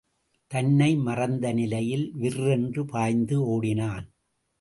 தன்னை மறந்த நிலையில் விர்ரென்று பாய்ந்து ஓடினான்.